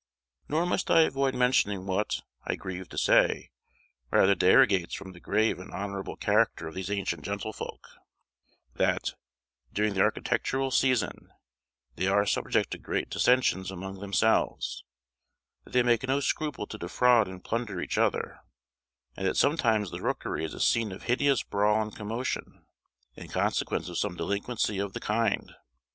Nor must I avoid mentioning what, I grieve to say, rather derogates from the grave and honourable character of these ancient gentlefolk, that, during the architectural season, they are subject to great dissensions among themselves; that they make no scruple to defraud and plunder each other; and that sometimes the rookery is a scene of hideous brawl and commotion, in consequence of some delinquency of the kind.